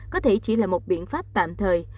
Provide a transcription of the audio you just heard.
có thể chỉ là một biện pháp tạm thời